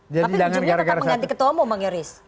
tapi ujungnya tetap mengganti ketua umum bang yoris